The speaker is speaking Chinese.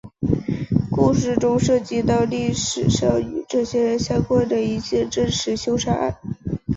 故事中涉及到历史上与这些人相关的一件真实凶杀案。